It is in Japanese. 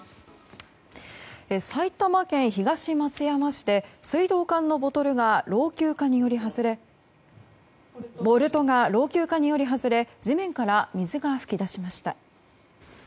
埼玉県東松山市で水道管のボルトが老朽化により外れ地面から水が噴き出しました。